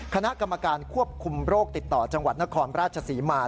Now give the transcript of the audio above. คณะกรรมการควบคุมโรคติดต่อจังหวัดนครราชศรีมา